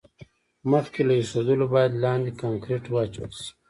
مخکې له ایښودلو باید لاندې کانکریټ واچول شي